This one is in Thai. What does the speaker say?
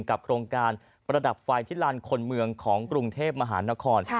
โครงการประดับไฟที่ลานคนเมืองของกรุงเทพมหานคร